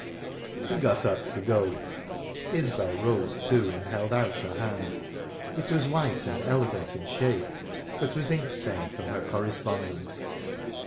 He got up to go. Isbel rose, too, and held out her hand. It was white and elegant in shape, but was ink stained from her correspondence.